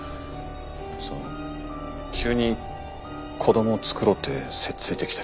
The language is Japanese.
その急に子供を作ろうってせっついてきたり。